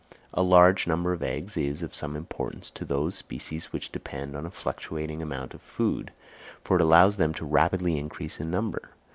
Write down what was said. A large number of eggs is of some importance to those species which depend on a fluctuating amount of food, for it allows them rapidly to increase in number.